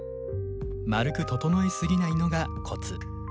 まるく整え過ぎないのがコツ。